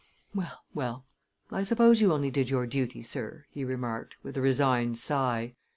"Well, well! I suppose you only did your duty, sir," he remarked, with a resigned sigh.